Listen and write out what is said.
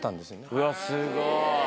うわすごい！